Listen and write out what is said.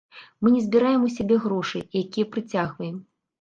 Мы не збіраем у сябе грошай, якія прыцягваем.